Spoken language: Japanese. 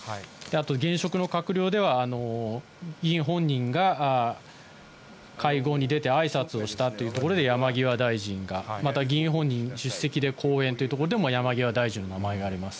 あと現職の閣僚では、議員本人が、会合に出てあいさつをしたというところで、山際大臣が、また議員本人の出席で講演というところでも、山際大臣の名前があります。